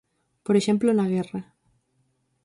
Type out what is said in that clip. Por exemplo, na guerra.